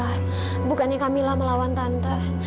tante bukannya kamila melawan tante